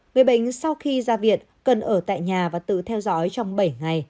người bệnh sau khi ra viện cần ở tại nhà và tự theo dõi trong bảy ngày